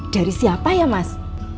dari siapa ya mas